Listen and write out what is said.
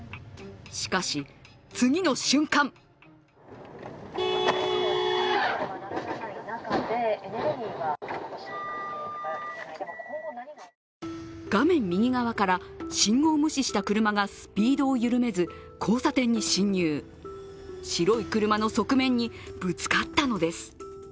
しかし、次の瞬間画面右側から信号無視した車がスピードを緩めず交差点に進入、白い車の側面にぶつかったのです。